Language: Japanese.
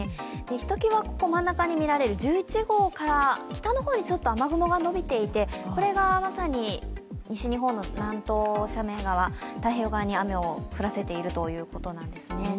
ひときわ真ん中にみられる１１号から北の方にちょっと雨雲が伸びていてこれがまさに西日本の南東斜面側太平洋側に雨を降らせているということなんですね